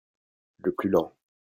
Le plus lent.